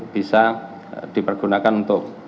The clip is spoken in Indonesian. bisa dipergunakan untuk